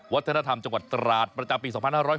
วัฒนธรรมจังหวัดตราดประจำปี๒๕๖๒